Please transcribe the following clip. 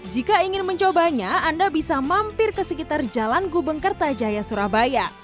jika ingin mencobanya anda bisa mampir ke sekitar jalan gubeng kertajaya surabaya